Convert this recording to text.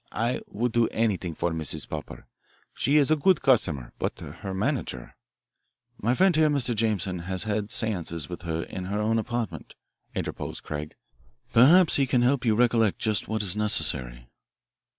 I would do anything for Mrs. Popper. She is a good customer. But her manager " "My friend here, Mr. Jameson, has had seances with her in her own apartment," interposed Craig. "Perhaps he can help you to recollect just what is necessary."